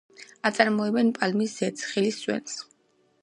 აწარმოებენ პალმის ზეთს, ხილის წვენს.